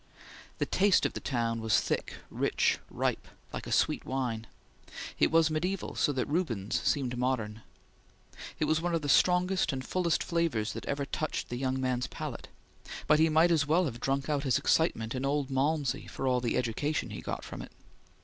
The taste of the town was thick, rich, ripe, like a sweet wine; it was mediaeval, so that Rubens seemed modern; it was one of the strongest and fullest flavors that ever touched the young man's palate; but he might as well have drunk out his excitement in old Malmsey, for all the education he got from it.